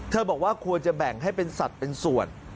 บอกว่าควรจะแบ่งให้เป็นสัตว์เป็นส่วน